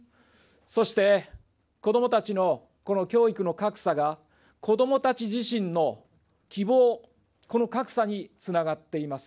そして、子どもたちのこの教育の格差が、子どもたち自身の希望、この格差につながっています。